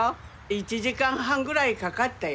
１時間半ぐらいかかったよ。